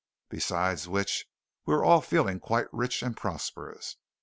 Beside which, we were all feeling quite rich and prosperous.